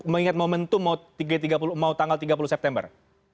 mengingat momentum mau tanggal tiga puluh september